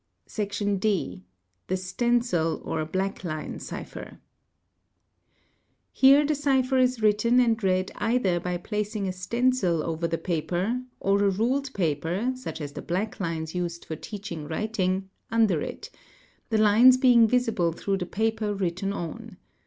, D. The Stencil or Blackline cipher. Here the cipher is written and read either by placing a stencil over the paper, or a ruled paper, such as the blacklines used for teaching — writing, under it, the lines being visible through the paper written on.